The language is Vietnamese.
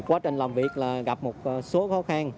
quá trình làm việc gặp một số khó khăn